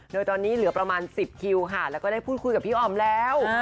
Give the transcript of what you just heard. โดยตอนนี้เหลือประมาณ๑๐คิวค่ะแล้วก็ได้พูดคุยกับพี่อ๋อมแล้ว